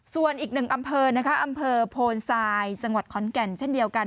ส่วนอีกหนึ่งอำเภอนะคะอำเภอโพนทรายจังหวัดขอนแก่นเช่นเดียวกัน